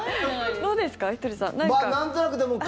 どうですか？